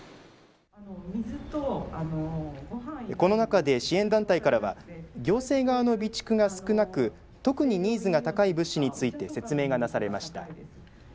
この中で、支援団体からは行政側の備蓄が少なく特にニーズが高い物資について説明がなされました。